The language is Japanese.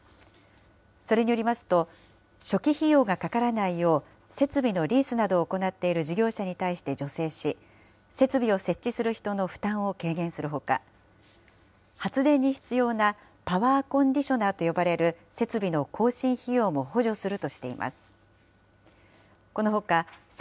それによりますと、初期費用がかからないよう設備のリースなどを行っている事業者に対して助成し、設備を設置する人の負担を軽減するほか、発電に必要なパワーコンディショナーと呼ばれる設備の更新費用も補助するとしています。